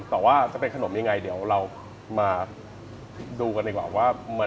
แต่ว่าจะเป็นขนมยังไงเดี๋ยวเรามาดูกันดีกว่าว่า